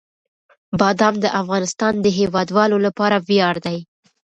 بادام د افغانستان د هیوادوالو لپاره ویاړ دی.